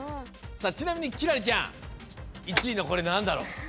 さあちなみに輝星ちゃん１位のこれなんだろう？